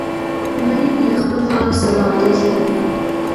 غریب له خپل حال سره عادت لري